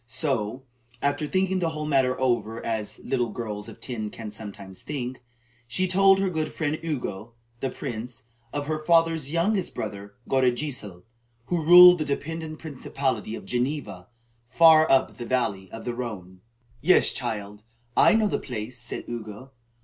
So, after thinking the whole matter over, as little girls of ten can sometimes think, she told her good friend Ugo, the priest, of her father's youngest brother Godegesil, who ruled the dependent principality of Geneva, far up the valley of the Rhone. "Yes, child, I know the place," said Ugo.